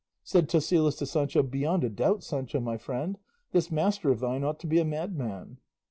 Said Tosilos to Sancho, "Beyond a doubt, Sancho my friend, this master of thine ought to be a madman."